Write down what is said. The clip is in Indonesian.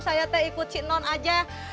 ternyata ikut s non aja